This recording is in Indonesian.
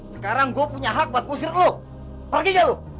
sekarang gua punya hak buat musik lu pergi